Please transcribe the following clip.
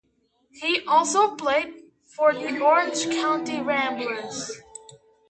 He also played for the Orange County Ramblers.